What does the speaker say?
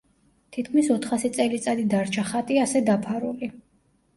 თითქმის ოთხასი წელიწადი დარჩა ხატი ასე დაფარული.